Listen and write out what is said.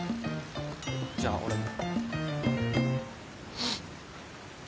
じゃあ俺も。